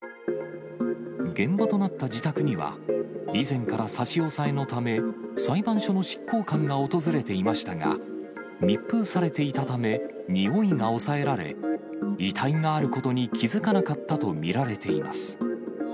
現場となった自宅には、以前から差し押さえのため、裁判所の執行官が訪れていましたが、密封されていたため臭いが抑えられ、遺体があることに気付かなかったと見られています。